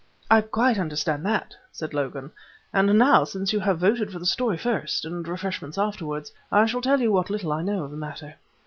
"I quite understand that," said Logan, "and now, since you have voted for the story first and refreshments afterward, let me tell you what little I know of the matter."